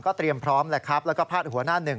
เตรียมพร้อมแหละครับแล้วก็พาดหัวหน้าหนึ่ง